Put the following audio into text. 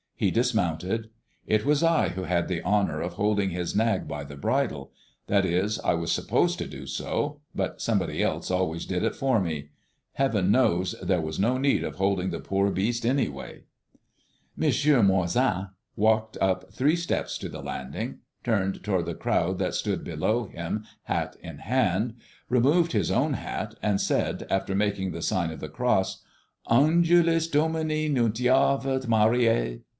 He dismounted. It was I who had the honor of holding his nag by the bridle; that is, I was supposed to do so, but somebody else always did it for me. Heaven knows there was no need of holding the poor beast anyway. M. Moizan walked up three steps to the landing, turned toward the crowd that stood below him, hat in hand, removed his own hat, and said, after making the sign of the cross, "Angelus Domini nuntiavit Mariæ."